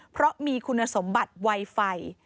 เพราะมีคุณสมบัติไวไฟ